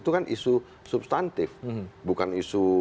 itu kan isu substantif bukan isu